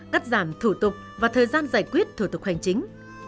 cắt giảm thủ tục và thời gian giải quyết thủ tục hành chính